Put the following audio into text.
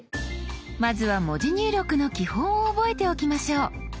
まずは文字入力の基本を覚えておきましょう。